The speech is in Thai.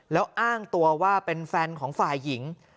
แล้วอ้างตัวว่าเป็นแฟนของฝ่ายหญิง